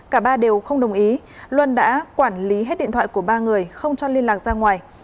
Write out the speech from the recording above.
cả ba đều không đồng ý luân đã quản lý hết điện thoại của ba người không cho liên lạc ra ngoài